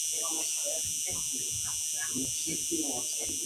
Hay dos videos producidos para el sencillo.